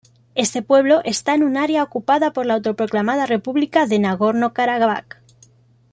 Este pueblo está en un área ocupada por la autoproclamada República de Nagorno Karabaj.